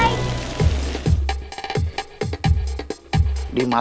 ya langsung ke dia oke